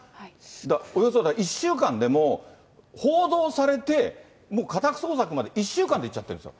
およそだから１週間でもう、報道されて、もう家宅捜索まで１週間で行っちゃってるんですよ。